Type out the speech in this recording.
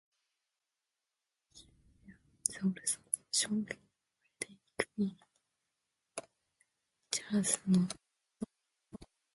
Saint Cassian is also mentioned in Frederick Buechener's novel The Storm.